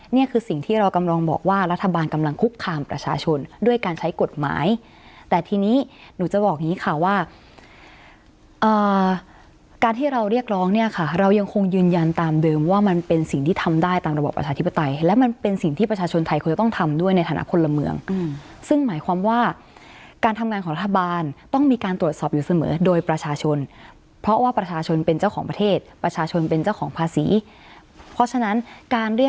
เนี่ยคือสิ่งที่เรากำลังบอกว่ารัฐบาลกำลังคุกคามประชาชนด้วยการใช้กฎหมายแต่ทีนี้หนูจะบอกนี้ค่ะว่าการที่เราเรียกร้องเนี่ยค่ะเรายังคงยืนยันตามเดิมว่ามันเป็นสิ่งที่ทำได้ตามระบบประชาธิปไตยและมันเป็นสิ่งที่ประชาชนไทยคงจะต้องทำด้วยในฐานะคนละเมืองซึ่งหมายความว่าการทำงานของรัฐบาลต้องมี